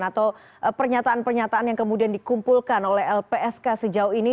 atau pernyataan pernyataan yang kemudian dikumpulkan oleh lpsk sejauh ini